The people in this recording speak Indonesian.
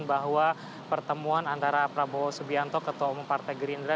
bahwa pertemuan antara prabowo subianto ketua umum partai gerindra